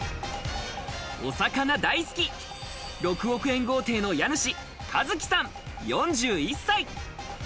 お魚大好き６億円豪邸の家主、一騎さん４１歳。